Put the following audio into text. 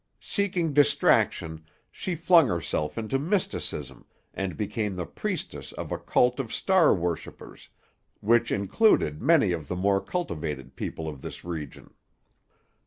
Seeking distraction, she flung herself into mysticism and became the priestess of a cult of star worshipers, which included many of the more cultivated people of this region.